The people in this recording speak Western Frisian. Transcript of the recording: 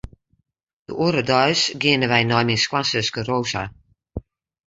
De oare deis geane wy nei myn skoansuske Rosa.